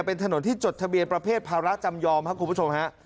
เป็นถนนที่จดทะเบียนประเภทภาระจำยอมครับคุณผู้ชมฮะ